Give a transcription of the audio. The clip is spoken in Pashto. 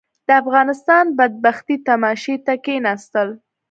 د افغانستان بدبختي تماشې ته کښېناستل.